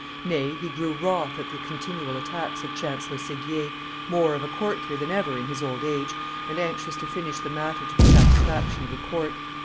Nay, he grew wroth at the continual attacks of Chancellor Seguier, more of a courtier than ever in his old age, and anxious to finish the matter to the satisfaction of the court.